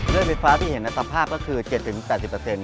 เรื่อยไฟฟ้าที่เห็นในสภาพก็คือ๗๐๘๐เปอร์เซ็นต์